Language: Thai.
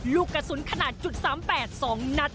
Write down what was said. ลูกกระสุนขนาด๓๘๒นัด